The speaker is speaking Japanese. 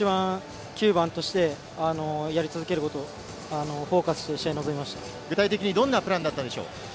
そこを一番、９番としてやり続けること、フォーカスして試合に臨具体的にどんなプランだったでしょう？